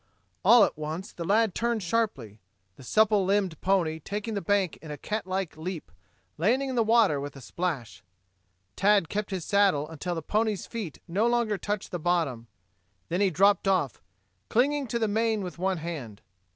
All at once the lad turned sharply, the supple limbed pony taking the bank in a cat like leap, landing in the water with a splash. Tad kept his saddle until the pony's feet no longer touched the bottom. Then he dropped off, clinging to the mane with one hand.